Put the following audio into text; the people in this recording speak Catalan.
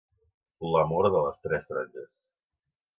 L'amor de les tres taronges.